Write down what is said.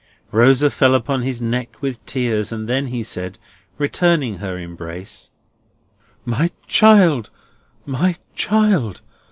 Rosa fell upon his neck, with tears, and then he said, returning her embrace: "My child, my child!